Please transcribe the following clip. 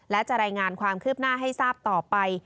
และจะรายงานความคืบหน้าให้ทราบต่อไป